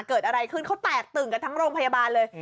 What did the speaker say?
เกิดอะไรขึ้นเขาแตกตื่นกันทั้งโรงพยาบาลเลย